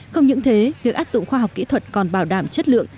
không những thế việc áp dụng khoa học kỹ thuật còn bảo đảm chất lượng